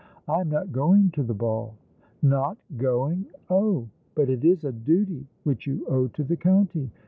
" I am not going to the ball. "Not going ! Oh, but it is a duty which you owe to the county!